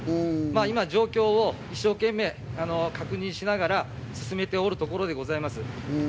今、状況を一生懸命、確認しながら進めておるところでございます。